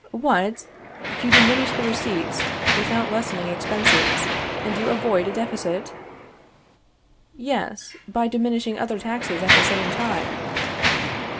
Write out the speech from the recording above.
What! you diminish the receipts, without lessening expenses, and you avoid a deficit? Yes, by diminishing other taxes at the same time.